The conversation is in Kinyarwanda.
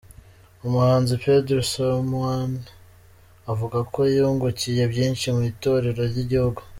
Umuhanzi Pedro Someone avuga ko yungukiye byinshi mu itorero ry'igihugu.